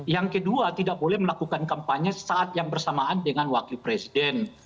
yang kedua tidak boleh melakukan kampanye saat yang bersamaan dengan wakil presiden